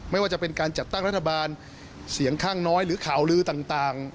ไม่ว่าจะเป็นการจัดตั้งรัฐบาลเสียงข้างน้อยหรือข่าวลือต่าง